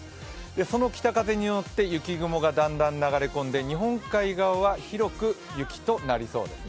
その北風に沿って、雲が流れ込んで日本海側では広く曇りとなりそうです。